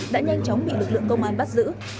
đã nhanh chóng bị lực lượng công an bắt giữ